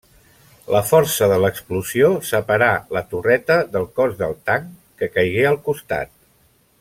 La força de l'explosió separà la torreta del cos del tanc, que caigué al costat.